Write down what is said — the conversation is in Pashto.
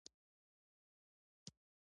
هغه ولیدل چې کور کې غلا شوې ده.